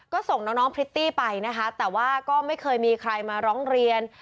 ก็ส่งน้องพริตตี้ไปนะคะแต่ว่าก็ไม่เคยมีใครมาร้องเรียน